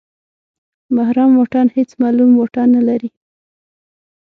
محرم واټن هېڅ معلوم واټن نلري.